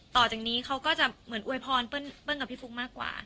ต่อจากนี้เขาก็จะเหมือนอวยพรเปิ้ลกับพี่ฟุ๊กมากกว่า